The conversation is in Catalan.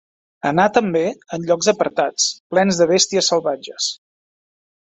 Anà també en llocs apartats, plens de bèsties salvatges.